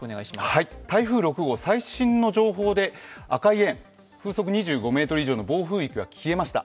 台風６号、最新の情報で赤い円、風速２５メートル以上の暴風域が消えました。